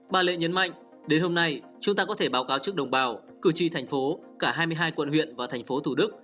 bà lệ nhấn mạnh đến hôm nay chúng ta có thể báo cáo trước đồng bào cử tri thành phố cả hai mươi hai quận huyện và thành phố thủ đức